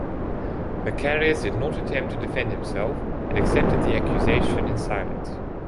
Macarius did not attempt to defend himself, and accepted the accusation in silence.